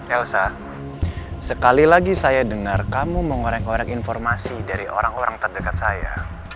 elsa sekali lagi saya dengar kamu mengorek ngoreng informasi dari orang orang terdekat saya